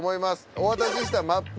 お渡ししたマップ